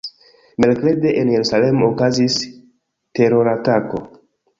Merkrede en Jerusalemo okazis teroratako.